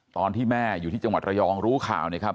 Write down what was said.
ตอนที่แม่อยู่ที่จังหวัดระยองรู้ข่าวเนี่ยครับ